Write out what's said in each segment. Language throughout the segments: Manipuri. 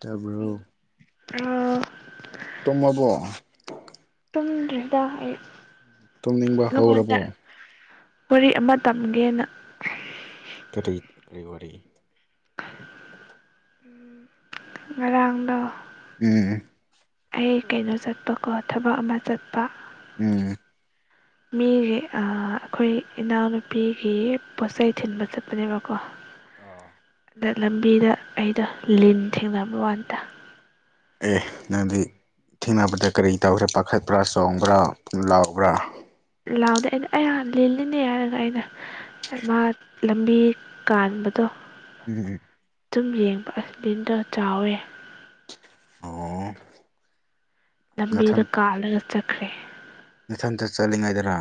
ꯇꯥꯕ꯭ꯔꯣ ꯍꯜꯂꯣ ꯇꯨꯝꯃꯕꯣ ꯇꯗ꯭ꯔꯗ ꯇꯨꯝꯅꯤꯡꯕ ꯅꯉꯣꯟꯗ ꯍꯧꯔꯕꯣ ꯋꯥꯔꯤ ꯑꯃ ꯇꯝꯒꯦꯅ ꯀꯔꯤ ꯀꯔꯤ ꯋꯥꯔꯤ꯫ ꯉꯔꯥꯡꯗꯣ ꯎꯝ ꯑꯩ ꯀꯩꯅꯣ ꯆꯠꯄꯀꯣ ꯊꯕꯛ ꯑꯃ ꯆꯠꯄ ꯎꯝ [inaudible] ꯃꯤꯒꯤ ꯑꯩꯈꯣꯏ ꯏꯅꯥꯎꯅꯨꯄꯤꯒꯤ ꯄꯣꯠꯆꯩ ꯊꯤꯟꯕ ꯆꯠꯄꯅꯦꯕꯀꯣ ꯑꯣ ꯑꯗ ꯂꯝꯕꯤꯗ ꯑꯩꯗꯣ ꯂꯤꯟ ꯊꯦꯡꯅꯕ ꯋꯥꯗ ꯑꯦ ꯅꯪꯗꯤ ꯊꯦꯡꯅꯕꯗ ꯀꯔꯤ ꯇꯧꯈ꯭ꯔꯦ ꯄꯥꯈꯠꯄ꯭ꯔꯥ ꯆꯣꯡꯕ꯭ꯔꯥ ꯂꯥꯎꯕ꯭ꯔꯥ ꯂꯥꯎꯗꯦ ꯑꯩꯅ ꯑꯩꯍꯥꯟ ꯂꯤꯜꯂꯤꯅꯦ ꯍꯥꯏꯔꯒ ꯑꯩꯅ ꯃꯥ ꯂꯝꯕꯤ ꯀꯥꯟꯕꯗꯣ ꯎꯝ ꯎꯝ ꯑꯗꯨꯨꯝ ꯌꯦꯡꯕ ꯑꯁꯤꯗꯣ ꯆꯥꯎꯋꯦ ꯑꯣ ꯂꯝꯕꯤꯗ ꯀꯥꯜꯂꯒ ꯆꯠꯈ꯭ꯔꯦ ꯃꯊꯟꯇ ꯆꯠꯂꯤꯉꯩꯗꯔ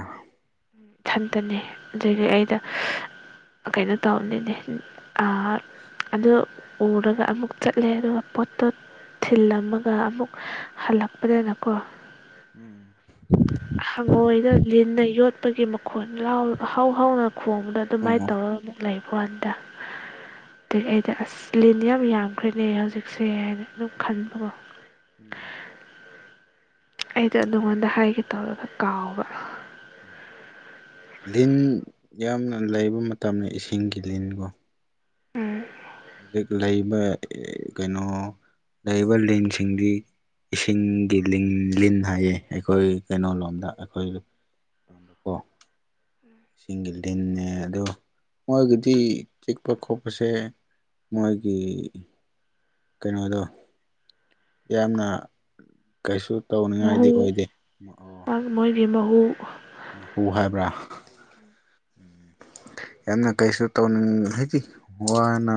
ꯊꯟꯇꯅꯤ ꯑꯗꯨꯗꯒꯤ ꯑꯩꯗ ꯀꯩꯅꯣ ꯇꯧꯅꯤꯅꯦ ꯑꯗꯨ ꯎꯔꯒ ꯑꯃꯨꯛ ꯆꯠꯂꯦ ꯑꯗꯨꯒ ꯄꯣꯠꯇꯣ ꯊꯤꯜꯂꯝꯃꯒ ꯑꯃꯨꯛ ꯍꯜꯂꯛꯄꯗꯅꯀꯣ ꯎꯝ ꯍꯪꯉꯣꯏꯗ ꯂꯤꯟꯅ ꯌꯣꯠꯄꯒꯤ ꯃꯈꯣꯟ ꯍꯥꯎ ꯍꯅ ꯈꯣꯡꯕꯗ ꯑꯗꯨꯃꯥꯏꯅ ꯎꯝ ꯇꯧꯔꯒ ꯑꯃꯨꯛ ꯂꯩꯕꯗ ꯑꯩ ꯑꯩꯗ ꯑꯁ ꯂꯤꯟ ꯌꯥꯝ ꯌꯥꯝꯈ꯭ꯔꯦꯅꯦ ꯍꯧꯖꯤꯛꯁꯦ ꯍꯥꯏꯅ ꯑꯗꯨꯝ ꯈꯟꯕꯀꯣ [unintelligible] ꯑꯩꯗꯣ ꯅꯉꯣꯟꯗ ꯍꯥꯏꯒꯦ ꯇꯧꯔꯒ ꯀꯥꯎꯕ ꯂꯤꯟ ꯌꯥꯝꯅ ꯂꯩꯕ ꯃꯇꯝꯅꯤ ꯏꯁꯤꯡꯒꯤ ꯂꯤꯟꯒꯣ ꯍꯧꯖꯤꯛ ꯂꯩꯔꯤꯕ ꯀꯩꯅꯣ ꯂꯩ ꯂꯤꯟꯁꯤꯡꯗꯤ ꯏꯁꯤꯡꯒꯤ ꯂꯤ ꯂꯤꯟ ꯍꯥꯏꯌꯦ ꯑꯩꯈꯣꯏ ꯀꯩꯅꯣ ꯂꯣꯝꯗ ꯑꯩꯈꯣꯏ ꯑꯗꯀꯣ ꯏꯁꯤꯡꯒꯤ ꯂꯤꯟꯅꯟꯅꯦ ꯑꯗ ꯃꯣꯏꯒꯤꯗꯤ ꯆꯤꯛꯄ ꯈꯣꯠꯄꯁꯦ ꯃꯣꯏꯒꯤ ꯀꯩꯅꯣꯗꯣ ꯌꯥꯝꯅ ꯀꯩꯁꯨ ꯃꯍꯨ ꯇꯧꯅꯤꯡꯉꯥꯏꯗꯤ ꯑꯣꯏꯗꯦ ꯃꯣꯏꯒꯤ ꯃꯍꯍꯨ ꯃꯈꯨ ꯍꯥꯏꯕ꯭ꯔꯥ ꯎ ꯌꯥꯝꯅ ꯀꯩꯁꯨ ꯇꯧꯅꯤꯡ ꯍꯥꯏꯗꯤ ꯋꯥꯅ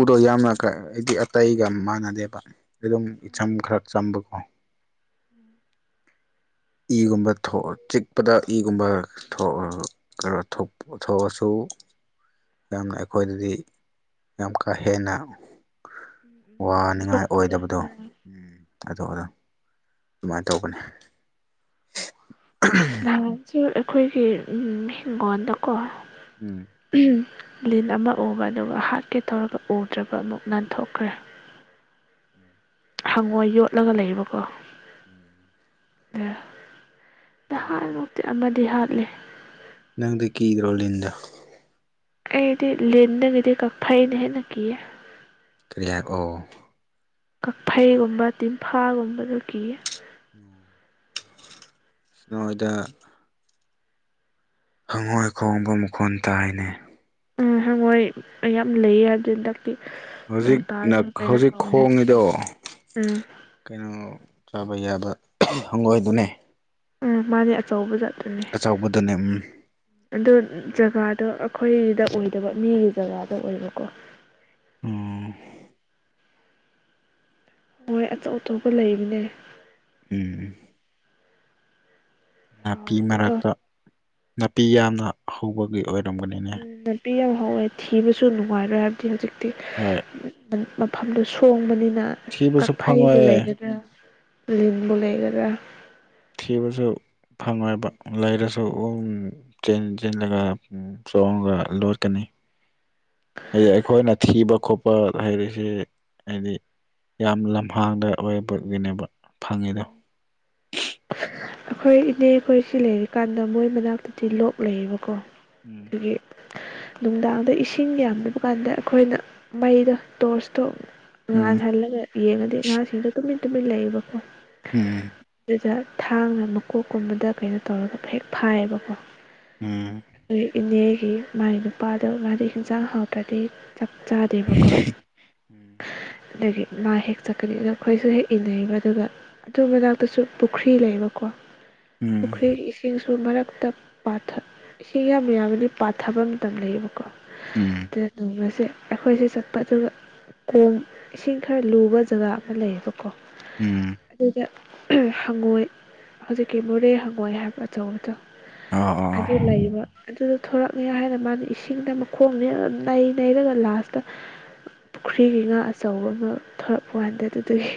ꯎꯗꯣ ꯌꯥꯝꯅ ꯍꯥꯏꯗꯤ ꯑꯇꯩꯒ ꯃꯥꯟꯅꯗꯦꯕ ꯑꯗꯨꯝ ꯏꯆꯝ ꯈꯔ ꯆꯝꯕꯀꯣ ꯏꯒꯨꯝꯕ ꯊꯣꯛ ꯆꯤꯛꯄꯗ ꯏꯒꯨꯝꯕ ꯊꯣꯛ ꯈꯔ ꯊꯣꯛꯑꯁꯨ ꯌꯥꯝꯅ ꯑꯩꯈꯣꯏꯗꯗꯤ ꯌꯥꯝ ꯀꯥ ꯍꯦꯟꯅ ꯋꯥꯅꯤꯡꯉꯥꯏ ꯁꯣꯛꯇꯕ ꯑꯣꯏꯗꯕꯗꯣ ꯎꯝ ꯑꯣ ꯑ ꯑꯗꯨꯃꯥꯏꯅ ꯇꯧꯕꯅꯤ ꯥꯟꯁꯨ ꯑꯩꯈꯣꯏꯒꯤ ꯍꯤꯡꯒꯣꯜꯗꯀꯣ ꯎꯝ ꯂꯤꯟ ꯑꯃ ꯎꯕ ꯑꯗꯨꯒ ꯍꯥꯠꯀꯦ ꯇꯧꯔꯒ ꯎꯗ꯭ꯔꯕ ꯑꯃꯨꯛ ꯅꯥꯟꯊꯣꯛꯈ꯭ꯔꯦ ꯍꯪꯉꯣ ꯌꯣꯠꯂꯒ ꯂꯩꯕꯀꯣ ꯑ ꯅꯪ ꯅꯪ ꯅꯍꯥꯟꯃꯨꯛꯇꯤ ꯑꯃꯗꯤ ꯍꯥꯠꯂꯦ ꯅꯪꯗꯤ ꯀꯤꯗ꯭ꯔꯣ ꯂꯤꯟꯗ ꯑꯩꯗꯤ ꯂꯤꯟꯗꯒꯤꯗꯤ ꯀꯛꯐꯩꯅ ꯍꯦꯟꯅ ꯀꯤꯌꯦ ꯀꯔꯤꯌꯥ ꯑꯣ ꯀꯛꯐꯩꯒꯨꯝꯕ ꯇꯤꯝꯐꯥꯒꯨꯝꯕꯗꯨꯒꯤ ꯎꯝ ꯅꯣꯏꯗ ꯍꯪꯉꯣꯏ ꯈꯣꯡꯕ ꯃꯈꯣꯟ ꯇꯥꯏꯅꯦ ꯎꯝ ꯍꯪꯉꯣꯏ ꯌꯥꯝ ꯂꯩꯌꯦ ꯍꯥꯏꯕꯗꯨ ꯍꯟꯗꯛ ꯇꯤ ꯅꯣꯡ ꯍꯧꯖꯤꯛꯅ ꯇꯥꯔꯒ ꯀꯩꯅꯣ ꯍꯧꯖꯤꯛ ꯇꯧꯕꯅꯤꯅꯀꯣ ꯈꯣꯡꯉꯤꯗꯣ ꯎꯝ ꯀꯩꯅꯣ ꯆꯥꯕ ꯌꯥꯕ ꯍꯪꯒꯣꯏꯗꯨꯅꯦ ꯃꯥꯅꯦ ꯑꯆꯧꯕ ꯖꯠꯇꯨꯅꯦ ꯑꯆꯧꯕꯗꯅꯦꯝ ꯑꯗꯣ ꯖꯒꯥꯗꯣ ꯑꯩꯈꯣꯏꯗ ꯑꯣꯏꯗꯕ ꯃꯤꯒꯤ ꯖꯒꯥꯗ ꯑꯣꯏꯕꯀꯣ ꯎ ꯃꯣꯏ ꯑꯇꯧꯞ ꯑꯇꯣꯞꯄ ꯂꯩꯕꯅꯦ ꯎꯝ ꯅꯥꯄꯤ ꯍꯥꯎꯕꯅꯤꯀꯣ ꯃꯔꯛꯇ ꯅꯥꯄꯤ ꯌꯥꯝꯅ ꯍꯧꯕꯒꯤ ꯑꯣꯏꯔꯝꯕꯅꯤꯅ ꯎꯝ ꯅꯥꯄꯤ ꯌꯥꯝ ꯍꯧꯥꯎꯋꯦ ꯊꯤꯕꯁꯨ ꯅꯨꯡꯉꯥꯏꯔꯣꯏ ꯍꯥꯏꯕꯗꯤ ꯍꯧꯖꯤꯛꯇꯤ ꯍꯣꯏ ꯃꯐꯝꯗꯨ ꯁꯣꯡꯕꯅꯤꯅ ꯊꯤꯕꯁꯨ ꯀꯛꯐꯩꯕꯨ ꯐꯪꯉꯣꯏꯌꯦ ꯂꯩꯒꯗ꯭ꯔꯥ ꯂꯕꯨꯣ ꯂꯩꯒ꯭ꯔ ꯊꯤꯕꯁꯨ ꯐꯪꯉꯣꯏꯕ ꯂꯩꯔꯁꯨ ꯆꯦꯟ ꯆꯜꯂꯒ ꯆꯣꯡꯉꯒ ꯂꯣꯠꯀꯅꯤ ꯍꯥꯏꯗꯤ ꯑꯩꯈꯣꯏꯅ ꯊꯤꯕ ꯈꯣꯠꯄ ꯍꯥꯏꯔꯤꯁ ꯍꯥꯏꯗꯤ ꯌꯥꯝ ꯂꯝꯍꯥꯡꯗ ꯑꯣꯏꯕꯒꯤꯅꯦꯕ ꯐꯪꯉꯤ [inaudible] ꯑꯩꯈꯣꯏ ꯏꯅꯦ ꯑꯩꯈꯣꯏꯁꯤ ꯂꯩꯔꯤꯀꯥꯟꯗ ꯃꯣꯏ ꯃꯅꯥꯛꯇꯗꯤ ꯂꯣꯛ ꯂꯩꯌꯦꯕꯀꯣ ꯎꯝ ꯗꯨꯒꯤ ꯅꯨꯡꯗꯥꯡꯗ ꯏꯁꯤꯡ ꯌꯥꯝꯗꯕ ꯀꯥꯟꯗ ꯑꯩꯈꯣꯏꯅ ꯃꯩꯗ ꯇꯣꯔꯁꯇꯣ ꯎꯝ ꯉꯥꯜꯍꯜꯂꯒ ꯌꯦꯡꯉꯗꯤ ꯉꯥꯁꯤꯡꯗ ꯇꯨꯃꯤꯟ ꯇꯨꯃꯤꯟ ꯂꯩꯌꯦꯕꯀꯣ ꯎꯝ ꯑꯗꯨꯗ ꯊꯥꯡꯅ ꯃꯀꯣꯛꯀꯨꯝꯕꯗ ꯀꯩꯅꯣ ꯇꯧꯔꯒ ꯍꯦꯛ ꯐꯥꯏꯌꯦꯕꯀꯣ ꯑꯩ ꯏꯅꯦꯒꯤ ꯃꯥꯏ ꯅꯨꯄꯥꯗꯣ ꯉꯗꯤ ꯌꯦꯟꯖꯥꯡ ꯍꯥꯎꯇ꯭ꯔꯗꯤ ꯆꯞ ꯆꯥꯗꯦꯕꯀꯣ ꯑꯗꯒꯤ ꯃꯥ ꯍꯦꯛ ꯆꯠꯀꯅꯤ ꯑꯗꯨ ꯑꯩꯈꯣꯏꯁꯨ ꯍꯦꯛ ꯏꯟꯅꯩꯔꯤꯕ ꯑꯗꯨꯒ ꯈꯣꯏ ꯃꯅꯥꯛꯇꯁꯨ ꯄꯨꯈ꯭ꯔꯤ ꯂꯩꯌꯦꯕꯀꯣ ꯎꯝ ꯎꯝ ꯄꯨꯈ꯭ꯔꯤ ꯏꯁꯤꯡ ꯀꯤꯜꯁꯨ ꯃꯔꯛꯇ ꯄꯥꯊ ꯏꯁꯤꯡ ꯌꯥꯝ ꯌꯥꯝꯃꯗꯤ ꯄꯥꯊꯕ ꯃꯇꯝ ꯂꯩꯌꯦꯕꯀꯣ ꯎꯝ ꯑꯗꯨꯗ ꯅꯣꯡꯃꯁꯦ ꯑꯩꯈꯣꯏꯁꯦ ꯆꯠꯄ ꯑꯗꯨꯒ ꯊꯣꯡ ꯏꯁꯤꯡ ꯈꯔ ꯂꯨꯕ ꯖꯒꯥ ꯑꯃ ꯂꯩꯌꯦꯕꯀꯣ ꯎꯝ ꯑꯗꯨꯗ ꯍꯪꯉꯣꯏ ꯍꯧꯖꯤꯛꯀꯤ ꯃꯣꯔꯦ ꯍꯪꯉꯣꯏ ꯍꯥꯏꯕ ꯑꯆꯧꯕꯗꯨ ꯑꯣ ꯑꯣ ꯑꯣ ꯑꯗꯨ ꯂꯩꯕ ꯑꯗꯨꯗ ꯊꯣꯔꯛꯑꯦ ꯍꯥꯏꯅ ꯃꯥꯅ ꯏꯁꯤꯡꯅ ꯃꯈꯣꯡꯅꯦ ꯑꯗꯨ ꯅꯩ ꯅꯩꯔꯒ ꯂꯥꯁꯇ ꯄꯨꯈ꯭ꯔꯤꯒꯤꯩ ꯉꯥ ꯑꯆꯧꯕ ꯑꯃ ꯊꯣꯔꯛꯄ ꯀꯥꯟꯗ ꯑꯗꯨꯗꯒꯤ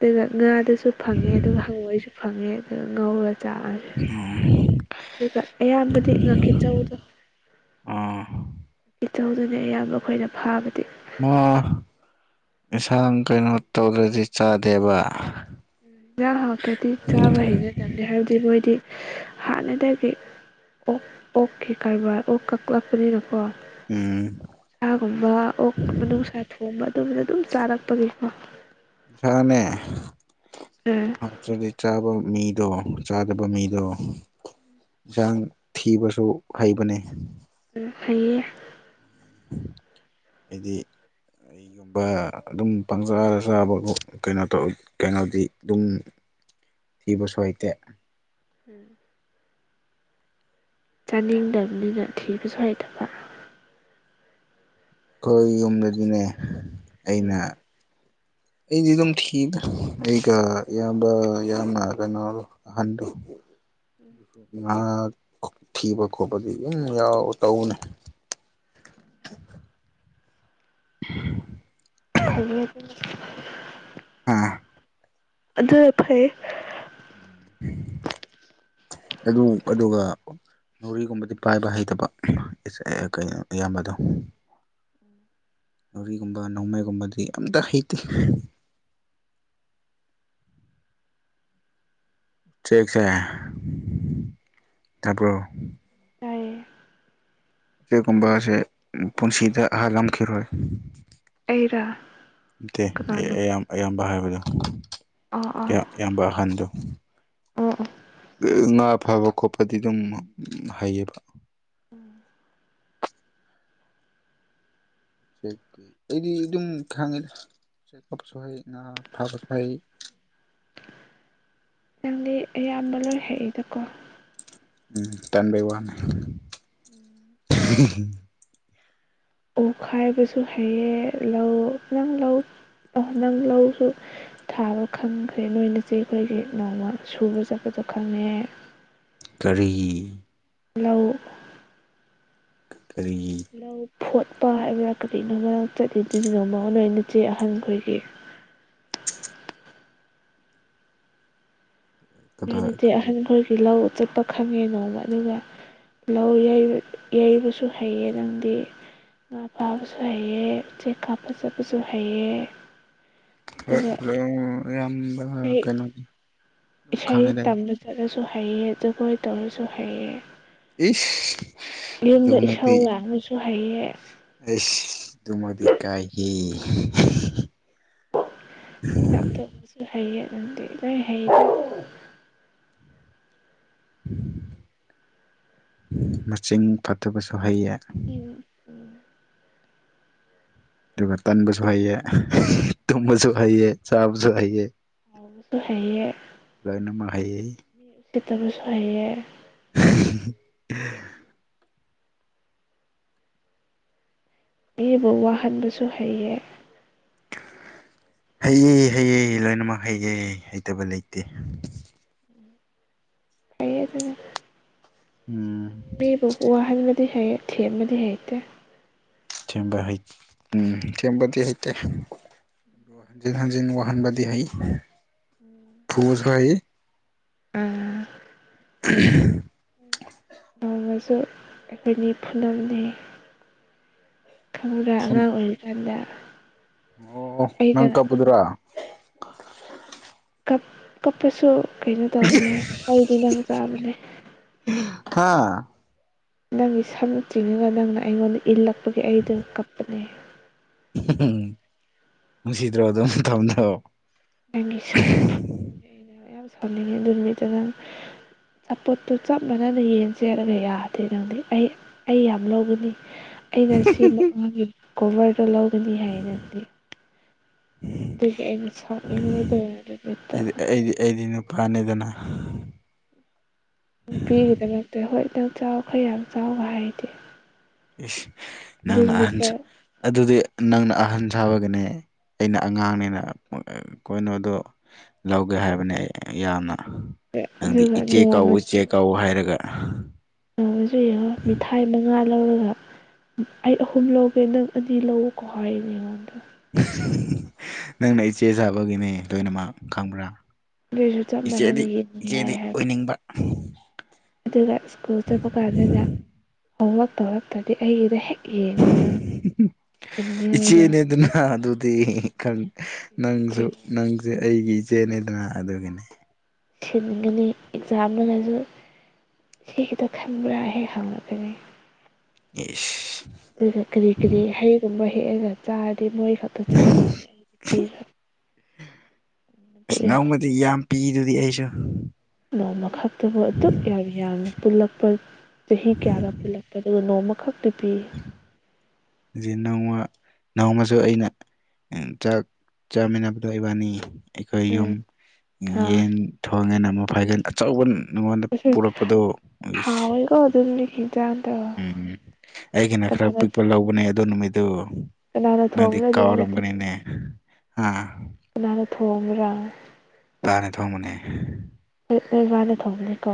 ꯑꯗꯨꯒ ꯉꯥꯗꯨꯁꯨ ꯐꯪꯉꯦ ꯑꯗꯨꯒ ꯍꯪꯉꯣꯏꯁꯨ ꯐꯪꯉꯦ ꯑꯗꯨꯒ ꯉꯧꯔ ꯆꯥꯛꯑꯁꯨ ꯑꯗꯨꯒ ꯑꯌꯥꯝꯕꯗꯤ ꯉꯥꯀꯤꯆꯧꯗꯣ ꯑꯣ ꯏꯇꯧꯗꯨꯅꯦ ꯑꯌꯥꯝꯕ ꯑꯩꯈꯣꯏꯅ ꯐꯥꯕꯗꯤ ꯌꯦꯟꯁꯥꯡ ꯀꯩꯅꯣ ꯇꯧꯗ꯭ꯔꯗꯤ ꯆꯥꯗꯦꯕ ꯌꯦꯟꯖꯥꯡ ꯍꯥꯛꯇꯗꯤ ꯆꯥꯕ ꯍꯩꯖꯗꯕꯦ ꯍꯥꯏꯕꯗꯤ ꯃꯣꯏꯗꯤ ꯍꯥꯟꯅꯗꯒꯤ ꯑꯣ ꯑꯣꯀꯦ ꯀꯔꯕꯥꯔ ꯑꯣ ꯀꯛꯂꯛꯄꯅꯤꯅꯀꯣ ꯎꯝ ꯁꯥꯒꯨꯝꯕ ꯑꯣꯛ ꯃꯅꯨꯡꯁꯥ ꯊꯣꯡꯕ ꯑꯗꯨꯝꯕꯗ ꯑꯗꯨꯝ ꯆꯥꯔꯛꯄꯒꯤꯀꯣ ꯁꯥꯅꯦ ꯎꯝ ꯍꯥꯎꯇ꯭ꯔꯗꯤ ꯆꯥꯕ ꯃꯤꯗꯣ ꯆꯥꯗꯕ ꯃꯤꯗꯣ ꯏꯟꯁꯥꯡ ꯊꯤꯕꯁꯨ ꯍꯩꯕꯅꯤ ꯎꯝ ꯐꯩꯌꯦ ꯍꯥꯏꯗꯤ ꯑꯩꯒꯨꯝꯕ ꯑꯗꯨꯝ ꯄꯪꯆꯥꯗ ꯆꯥꯕꯀꯣ ꯀꯩꯅꯣ ꯇꯧꯋꯦ ꯀꯩꯅꯣꯗꯤ ꯑꯗꯨꯝ ꯊꯤꯕꯁꯨ ꯍꯩꯇꯦ ꯎꯝ ꯆꯥꯅꯤꯡꯗꯕꯅꯤꯅ ꯊꯤꯕꯁꯨ ꯍꯩꯇꯕ ꯑꯩꯈꯣꯏ ꯌꯨꯝꯗꯗꯤꯅꯦ ꯎꯝ ꯑꯩꯅ ꯑꯩꯗꯤ ꯑꯗꯨꯝ ꯊꯤꯕ ꯑꯩꯒ ꯏꯌꯥꯝꯕ ꯌꯥꯝꯅ ꯀꯩꯅꯣ ꯑꯍꯟꯗꯨ [inaudible] ꯉ ꯊꯤꯕ ꯈꯣꯠꯄꯗꯤ ꯑꯗꯨꯨꯝ ꯌꯥꯎ ꯇꯧꯅꯦ ꯐꯥꯌꯦ ꯑꯥ ꯑꯗꯨ ꯐꯩꯌꯦ [inaudible] ꯑꯗꯨ ꯑꯗꯨꯒ ꯔꯤꯒꯨꯝꯕꯗꯤ ꯄꯥꯏꯕ ꯍꯩꯇꯕ ꯀ ꯏꯌꯥꯝꯕꯗꯣ ꯎꯝ ꯊꯧꯔꯤꯒꯨꯝꯕ ꯅꯣꯡꯃꯩꯒꯨꯝꯕꯗꯤ ꯑꯝꯇ ꯍꯩꯇꯦ ꯆꯦꯛꯁꯦ ꯇꯥꯕ꯭ꯔꯣ ꯇꯌꯦ ꯑꯁꯤꯒꯨꯝꯕꯁꯦ ꯄꯨꯟꯁꯤꯗ ꯍꯥꯜꯂꯝꯈꯤꯔꯣꯏ ꯑꯩꯔꯥ ꯅꯠꯇꯦ ꯀꯅꯥꯅꯣ ꯑꯌꯥꯝ ꯑꯌꯥꯝꯕ ꯍꯥꯏꯕꯗꯣ ꯑꯥ ꯑꯥ ꯑꯌꯥꯝꯕ ꯑꯍꯟꯗꯣ ꯉꯥ ꯐꯕ ꯈꯣꯠꯄꯗꯤ ꯑꯗꯨꯝ ꯍꯩꯌꯦꯕ ꯆꯦꯛꯇꯤ ꯑꯩꯗꯤ ꯑꯗꯨꯝ ꯈꯪꯉꯤꯗ ꯆꯦꯛꯑꯞꯁꯨ ꯍꯩ ꯉꯥ ꯐꯥꯕꯁꯨ ꯍꯩ ꯅꯪꯗꯤ ꯑꯌꯥꯝꯕ ꯂꯣꯏꯔꯛꯏꯗꯀꯣ ꯎꯝ ꯇꯟꯕꯩ ꯋꯥꯅꯦ ꯎꯪꯈꯥꯏꯕꯁꯨ ꯍꯩꯌꯦ ꯂꯧ ꯅꯪ ꯂꯧ ꯑꯍ ꯅꯪ ꯂꯧꯁꯨ ꯊꯥꯕ ꯈꯪꯈ꯭ꯔꯦ ꯅꯣꯏꯅꯁꯦ ꯑꯩꯈꯣꯏꯒꯤ ꯅꯣꯡꯃ ꯁꯨꯕ ꯆꯠꯄꯗꯣ ꯈꯪꯉꯦ ꯀꯔꯤ ꯂꯧꯏ ꯀ ꯀꯔꯤꯒꯤ ꯂꯧ ꯐꯣꯠꯄ ꯍꯥꯏꯕ꯭ꯔꯥ ꯀꯔꯤꯅꯣꯃ ꯆꯠꯂꯤꯗꯨꯗꯤ ꯅꯣꯡꯃ ꯅꯣꯏ ꯅꯆꯦ ꯑꯍꯟꯈꯣꯏꯒꯤ ꯚꯥꯏ ꯀꯗꯥꯏ ꯅꯣꯏꯗꯤ ꯑꯍꯟ ꯈꯣꯏꯒꯤ ꯂꯧ ꯆꯠꯄ ꯈꯪꯉꯦꯅꯣꯕ ꯑꯗꯨꯒ ꯂꯧ ꯌꯩꯕ ꯌꯩꯕꯁꯨ ꯍꯩꯌꯦ ꯅꯪꯗꯤ ꯉꯥ ꯐꯥꯕꯁꯨ ꯍꯥꯏꯌꯦ ꯎꯆ ꯆꯦꯛꯀꯥ ꯐꯖꯕꯁꯨ ꯍꯥꯏꯌꯦ ꯍꯣꯏ ꯌꯥꯝꯌꯥꯝꯕ ꯏꯁꯩ ꯀꯩꯅꯣꯅꯦ ꯏꯁꯩ ꯇꯝꯕ ꯆꯠꯂꯁꯨ ꯍꯩꯌꯦꯡꯖꯒꯣꯏ ꯇꯧꯔꯁꯨ ꯍꯩꯌꯦ ꯏꯁ ꯌꯨꯝꯗ ꯏꯁꯥꯎ ꯑꯗꯨꯃꯗꯤ ꯂꯥꯛꯅꯁꯨ ꯍꯥꯏꯩꯌꯦ ꯑꯩꯁ ꯑꯗꯨꯃꯗꯤ ꯀꯥꯏꯍꯦ ꯂꯥꯛꯞꯇꯣꯛꯕꯁꯨ ꯍꯩꯌꯦ ꯑꯗꯨꯪꯗꯤ ꯂꯣꯏ ꯍꯩꯔ ꯃꯁꯤꯡ ꯐꯠꯇꯕꯁꯨ ꯍꯩꯌꯦ ꯎꯝ ꯑꯗꯨꯒ ꯇꯟꯕꯁꯨ ꯍꯩꯑ ꯇꯨꯝꯕꯁꯨ ꯍꯩꯑ ꯆꯥꯕꯁꯨ ꯍꯩꯑ ꯁꯥꯎꯕꯁꯨ ꯍꯩꯌꯦ ꯍꯩꯌꯦ ꯃꯤ ꯎꯁꯤꯠꯇꯕꯁꯨ ꯍꯩꯌꯦ [unintelligible] ꯑꯏꯕꯨ ꯋꯥꯍꯟꯕꯁꯨ ꯍꯩꯑ ꯍꯩꯌꯦ ꯍꯩꯌꯦ ꯂꯣꯏꯅꯃꯛ ꯍꯩꯌꯦ ꯍꯩꯇꯕ ꯂꯩꯇꯦ ꯌꯦ ꯑꯗꯨ ꯎꯝ ꯃꯤꯕꯨ ꯋꯥꯍꯟꯕꯗꯤ ꯍꯩ ꯊꯦꯝꯕꯗꯤ ꯍꯩꯇꯦ ꯊꯦꯝꯕ ꯍꯩ ꯎꯝ ꯊꯦꯝꯕꯗꯤ ꯍꯩꯇꯦ ꯍꯥꯟꯖꯤꯦꯟ ꯍꯥꯟꯖꯤꯦꯟ ꯋꯥꯍꯟꯕꯗꯤ ꯍꯩ ꯐꯨꯁꯨ ꯍꯥꯏ ꯎꯝ ꯑ ꯅꯣꯡꯃꯁꯨ ꯑꯩꯈꯣꯏꯅꯤ ꯐꯨꯅꯕꯅꯦ ꯈꯪꯔꯥ ꯐꯨꯟ ꯑꯉꯥꯡ ꯑꯣꯏꯔꯤꯀꯥꯟꯗ ꯑꯣ ꯑꯩꯅ ꯅꯪ ꯀꯞꯄꯗꯨꯔꯥ ꯀꯞꯄꯁꯨ ꯀꯩꯅꯣ ꯇꯧꯅꯦ ꯋꯥꯔꯤꯔꯤ ꯇꯤꯅꯕ ꯇꯥꯕꯅꯦ ꯍꯥꯥ ꯅꯪꯒꯤ ꯁꯝꯅ ꯆꯤꯡꯉꯒ ꯅꯪꯅ ꯑꯩꯉꯣꯟꯗ ꯏꯜꯂꯛꯄꯒꯤ ꯑꯩꯗꯨ ꯀꯞꯄꯅꯦ ꯎꯝ ꯅꯨꯡꯁꯤꯗ꯭ꯔꯣ ꯑꯗꯨꯝ ꯊꯝꯗꯑꯣ ꯑꯪꯒꯤ ꯁꯝꯄꯨ ꯌꯥꯝ ꯁꯥꯟꯂꯤꯅꯤ ꯗꯔꯃꯤꯇꯥꯡ ꯑꯄꯣꯠꯇꯨ ꯆꯞ ꯃꯥꯟꯅꯅ ꯌꯦꯟ ꯆꯦꯜꯂꯒ ꯌꯥꯗꯦ ꯅꯪꯗꯤ ꯑꯩ ꯑꯩ ꯌꯥꯝ ꯂꯧꯒꯅꯤ ꯑꯩꯅ ꯁꯤꯃꯛ ꯃꯥꯒꯤ ꯀꯣꯚꯔꯗ ꯂꯧꯒꯅꯤ ꯍꯥꯏꯅꯗꯤ ꯑꯗꯒꯤ ꯑꯩꯅ ꯁꯅꯤꯡꯉ ꯀ ꯑꯗꯨꯃꯤꯠꯇ ꯑꯩꯗꯤ ꯑꯩꯗꯤ ꯑꯩꯗꯤ ꯅꯨꯞ ꯐꯅꯤꯗꯨꯅ ꯅꯨꯄꯤꯒꯤꯗꯃꯛꯇ ꯍꯣꯏ ꯅꯪ ꯆꯥꯎ ꯈꯔ ꯌꯥꯝ ꯆꯥꯎꯒ ꯍꯥꯏꯗꯦ ꯑꯗꯨ ꯅꯪꯅ ꯅꯨꯃꯤꯠꯇ ꯑꯍꯟꯁꯨ ꯑꯗꯨꯗꯤ ꯅꯪꯅ ꯑꯍꯟ ꯁꯥꯕꯒꯤꯅꯦ ꯑꯩꯅ ꯑꯉꯥꯡꯅꯤꯅ ꯀꯩꯅꯣꯗꯣ ꯂꯧꯒꯦ ꯍꯥꯏꯕꯅꯦ ꯑꯩ ꯌꯥꯝꯅ ꯅꯪꯗꯤ ꯑꯗꯨꯒ ꯏꯆꯦ ꯀꯥꯎꯎ ꯏꯆꯦ ꯀꯥꯎꯎ ꯍꯥꯏꯔꯒ ꯑ ꯖꯨ ꯃꯊꯥꯏ ꯃꯉꯥ ꯂꯧꯔꯒ ꯑꯩ ꯑꯍꯨꯝ ꯂꯧꯒꯦ ꯅꯪ ꯑꯅꯤ ꯂꯧꯎꯀꯣ ꯍꯥꯏꯔꯤꯅꯦ ꯑꯩꯉꯣꯟꯗ ꯅꯪꯅ ꯏꯆꯦ ꯁꯥꯕꯒꯤꯅꯦ ꯂꯣꯏꯅꯃꯛ ꯈꯪꯕ꯭ꯔꯥ ꯑꯗꯨꯏꯁꯨ ꯆꯞ ꯃꯥꯟꯅꯅ ꯏꯆꯦꯗꯤ ꯌꯦꯡꯉꯨ ꯌꯥꯏ ꯏꯆꯦꯗꯤ ꯍꯥꯏꯕ ꯑꯣꯏꯅꯤꯡꯕ ꯑꯗꯨꯒ ꯁ꯭ꯀꯨꯜ ꯆꯠꯄ ꯀꯥꯟꯗꯗ ꯍꯣꯝꯋꯔꯛ ꯇꯧꯔꯛꯇ꯭ꯔꯗꯤ ꯑꯩꯒꯤꯗ ꯍꯦꯛ ꯌꯦꯡꯉꯅꯤ ꯅꯪ ꯏꯆꯦꯅꯦ ꯁꯤꯟꯅꯤꯉꯥꯏꯗꯣ ꯑꯗꯨꯅ ꯑꯗꯨ ꯑꯗꯨꯗꯤ ꯅꯪꯁꯨ ꯅꯪꯁꯦ ꯑꯩꯒꯤ ꯏꯆꯦꯅꯦꯗꯅ ꯑꯗꯨꯒꯤꯅꯤ ꯁꯤꯟꯒꯅꯤ ꯑꯦꯛꯖꯥꯝꯗꯨꯅꯁꯨ ꯁꯤ ꯈꯤꯇ ꯈꯟꯕ꯭ꯔꯥ ꯍꯦꯛ ꯍꯪꯉꯛꯀꯅꯤ ꯌꯦꯁ ꯑꯗꯨꯒ ꯀꯔꯤ ꯀꯔꯤ ꯍꯩꯒꯨꯝꯕ ꯍꯦꯛꯑꯒ ꯆꯥꯔꯗꯤ ꯃꯣꯏ ꯈ ꯥ [unintelligible] ꯑꯗꯨ ꯌꯥꯝ ꯄꯤꯗꯨꯗꯤ ꯑꯩꯁꯨ ꯅꯣꯡꯃꯈꯛ ꯑꯗꯨꯕꯨ ꯑꯗꯨꯛ ꯌꯥꯝ ꯌꯥꯝꯅ ꯄꯨꯜꯂꯛꯄ ꯆꯍꯤ ꯀꯌꯥꯒ ꯄꯨꯜꯂꯛꯄ ꯑꯗꯨꯒ ꯅꯣꯡꯃꯈꯛ ꯤꯄꯤ ꯅꯣꯡꯃ ꯅꯣꯡꯃꯁꯨ ꯑꯩꯅ ꯆꯥꯛ ꯆꯥꯃꯤꯟꯅꯕꯗꯣ ꯏꯕꯥꯅꯤ ꯑꯩꯈꯣꯏ ꯌꯨꯝ ꯎꯝ ꯑꯥ ꯌꯦꯟ ꯊꯣꯡꯉꯦꯅ ꯃꯐꯥꯏꯒꯟ ꯑꯆꯧꯕ ꯉꯣꯟꯗ ꯄꯨꯔꯛꯄꯗꯣꯒꯤ ꯀꯣ ꯑꯗꯨꯦꯦ ꯆꯗ ꯎꯝ ꯎꯝ ꯑꯩꯒꯤꯅ ꯈꯔ ꯄꯤꯛꯄ ꯂꯧꯕꯅꯦ ꯑꯗꯣ ꯅꯨꯃꯤꯠꯇꯨ ꯀꯅꯥꯅ ꯅꯗꯤ ꯊꯣꯡꯕ꯭ꯔꯥ ꯀꯥ ꯑꯗꯨ ꯅꯨꯃꯤꯠꯇꯣ ꯋꯥꯔꯒꯅꯤꯅꯦ ꯑꯥ ꯀꯅ ꯊꯣꯡꯕ꯭ꯔꯥ ꯇꯥꯅꯦ ꯊꯣꯡꯕꯅꯦ ꯅꯣꯏ ꯋꯥꯕꯥꯅ ꯊꯣꯡꯕꯅꯤꯀꯣ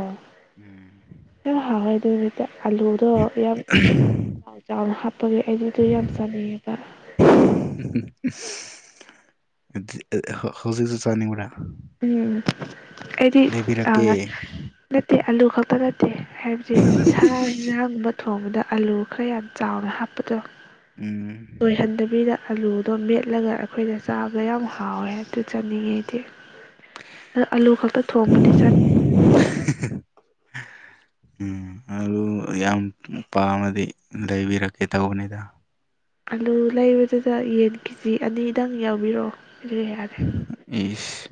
ꯎꯝ ꯀꯗꯥꯢꯗꯒꯤ ꯑꯗ ꯑꯂꯨꯗꯣ ꯌꯥꯝ ꯆꯥꯎ ꯆꯥꯎꯅ ꯍꯥꯞꯄꯒꯤ ꯑꯂꯨꯗꯣ ꯌꯥꯝ ꯆꯥꯅꯤꯉꯦꯕ [unintelligible] ꯑꯗꯨꯗꯤ ꯑ ꯍꯧꯖꯤꯛꯁꯨ ꯆꯥꯅꯤꯡꯕꯔꯥ ꯎꯝ ꯑꯩꯗꯤ ꯑꯥ ꯅꯠꯇꯦ ꯑꯂꯨ ꯈꯛꯇ ꯅꯠꯇꯦ ꯍꯥꯏꯕꯗꯤ ꯁꯥ ꯍꯦꯟꯖꯥꯡꯒꯨꯝꯕ ꯊꯣꯡꯕꯗ ꯑꯂꯨ ꯈꯔ ꯌꯥꯝ ꯆꯥꯎꯅ ꯍꯥꯞꯄꯗꯣ ꯎꯝ ꯇꯣꯏꯍꯟꯗꯕꯤꯗ ꯑꯂꯨꯗꯣ ꯃꯦꯠꯂꯒ ꯑꯩꯈꯣꯏꯗ ꯆꯥꯕꯗꯣ ꯌꯥꯝ ꯍꯥꯎꯋꯦ ꯑꯗꯨ ꯆꯥꯅꯤꯡꯉꯦ ꯑꯩꯗꯤ ꯑ ꯑꯥꯂꯨ ꯈꯛꯇ ꯊꯣꯡꯕꯗꯤ ꯆꯥꯅꯤꯡ [inaudible] ꯎꯝ ꯑꯂꯨ ꯌꯥꯝ ꯄꯥꯝꯃꯗꯤ ꯂꯩꯕꯤꯔꯛꯀꯦ ꯇꯧꯕꯅꯤꯗ ꯑꯂꯨ ꯂꯩꯕꯗꯨꯗ ꯌꯦꯟ ꯀꯦꯖꯤ ꯑꯅꯤꯗꯪ ꯌꯥꯎꯕꯤꯔꯛꯑꯣ ꯀ꯭ꯔꯤ ꯍꯥꯏ ꯏꯁ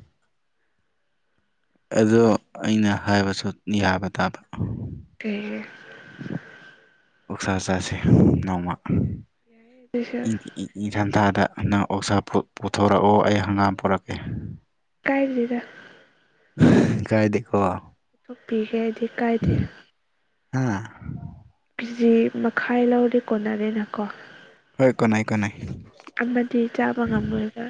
ꯑꯗꯨ ꯑꯩꯅ ꯍꯥꯏꯕꯁꯨ ꯌꯥꯕ ꯇꯥꯕ ꯀꯩ ꯑꯣꯛꯁꯥ ꯆꯥꯁꯦ ꯅꯣꯡꯃ ꯌꯥꯏ ꯌꯥꯏꯌꯦ ꯑꯗꯨꯁꯨ ꯏꯪ ꯏ ꯏꯪꯊꯝꯊꯥꯗ ꯅꯪ ꯑꯣꯛꯁꯥ ꯐꯨ ꯄꯨꯊꯣꯔꯛꯑꯣ ꯑꯩ ꯍꯪꯒꯥꯝ ꯄꯨꯔꯛꯀꯦ ꯀꯥꯏ ꯂꯤꯗ ꯀꯥꯏꯗꯦꯀꯣ ꯄꯨꯊꯣꯛꯄꯤꯒꯦ ꯍꯥꯏꯗꯤ ꯀꯥꯏꯗꯦ ꯍ ꯀꯦꯖꯤ ꯃꯈꯥꯏ ꯂꯧꯔꯗꯤ ꯀꯣꯟꯅꯔꯦꯅ ꯀꯣ ꯍꯣꯏ ꯀꯣꯅꯥꯥꯏ ꯀꯣꯅꯥꯥꯏ ꯑꯃꯗꯤ ꯆꯥꯕ ꯉꯝꯃꯣꯏꯒ